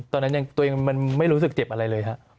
ตอนนั้นตัวเองมันไม่รู้สึกเจ็บอะไรเลยฮะ